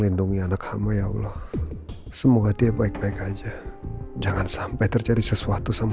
lindungi anak hama ya allah semoga dia baik baik aja jangan sampai terjadi sesuatu sama